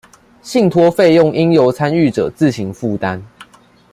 信託費用應由參與者自行負擔